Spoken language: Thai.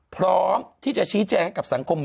พร้อมที่จะชี้แจงให้กับสังคม